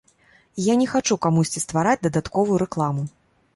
І я не хачу камусьці ствараць дадатковую рэкламу.